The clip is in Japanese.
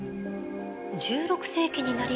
１６世紀になりますと。